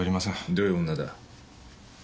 どういう女だ。